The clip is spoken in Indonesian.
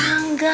malu atuh pak